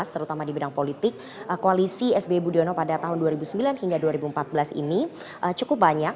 terutama di bidang politik koalisi sbi budiono pada tahun dua ribu sembilan hingga dua ribu empat belas ini cukup banyak